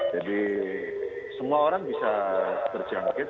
semua orang bisa terjangkit